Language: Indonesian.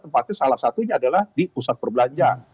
tempatnya salah satunya adalah di pusat perbelanjaan